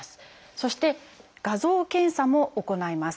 そして画像検査も行います。